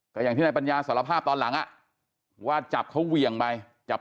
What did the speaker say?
ก็อย่างที่นายปัญญาสารภาพตอนหลังอ่ะว่าจับเขาเหวี่ยงไปจับ